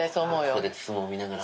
ここで相撲見ながら。